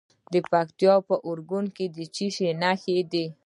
د پکتیکا په اورګون کې د څه شي نښې دي؟